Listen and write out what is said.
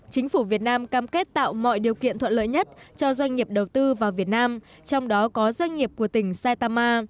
chính phủ việt nam cam kết tạo mọi điều kiện thuận lợi nhất cho doanh nghiệp đầu tư vào việt nam trong đó có doanh nghiệp của tỉnh saitama